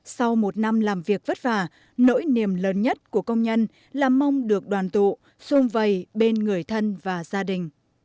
sau một năm làm việc vất vả nỗi niềm lớn nhất của công nhân là mong được đoàn tụ xung vầy bên người thân và gia đình